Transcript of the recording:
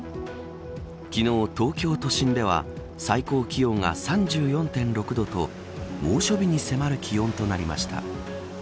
昨日、東京都心では最高気温が３４．６度と猛暑日に迫る気温となりました。